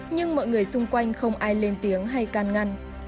nhưng mọi người xung quanh không ai lên